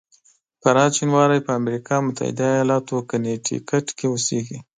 فرهاد شینواری په امریکا متحده ایالاتو کنیټیکټ کې اوسېږي.